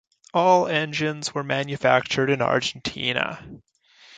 All engines were manufactured in Argentina.